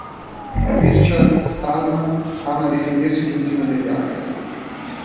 Richard Stallman ama definirsi l'ultimo degli hacker.